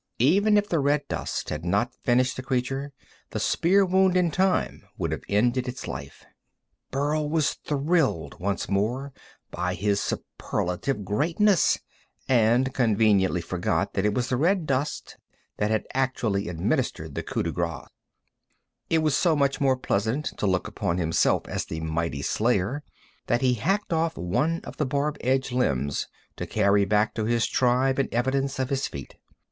Even if the red dust had not finished the creature, the spear wound in time would have ended its life. Burl was thrilled once more by his superlative greatness, and conveniently forgot that it was the red dust that had actually administered the coup de grâce. It was so much more pleasant to look upon himself as the mighty slayer that he hacked off one of the barb edged limbs to carry back to his tribe in evidence of his feat.